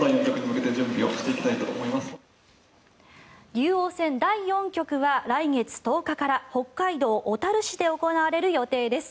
竜王戦第４局は来月１０日から北海道小樽市で行われる予定です。